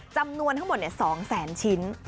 จำนวนทั้งหมด๒แสนชิ้น